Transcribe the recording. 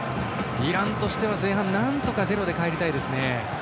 イランとしては前半、なんとかゼロで帰りたいですね。